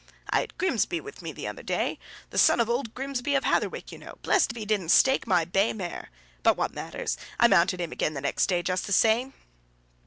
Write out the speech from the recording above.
"I had Grimsby with me the other day, the son of old Grimsby of Hatherwick, you know. Blessed if he didn't stake my bay mare. But what matters? I mounted him again the next day just the same."